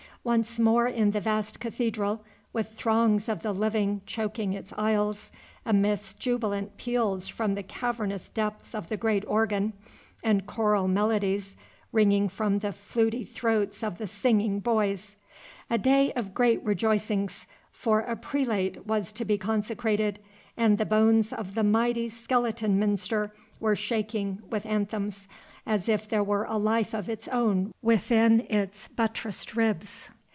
Once more in the vast cathedral, with throngs of the living choking its aisles, amidst jubilant peals from the cavernous depths of the great organ, and choral melodies ringing from the fluty throats of the singing boys. A day of great rejoicings, for a prelate was to be consecrated, and the bones of the mighty skeleton minster were shaking with anthems, as if there were life of its own within its buttressed ribs.